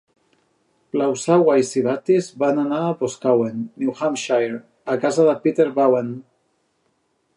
Plausawa i Sabattis van anar a Boscawen, New Hampshire, a casa de Peter Bowen.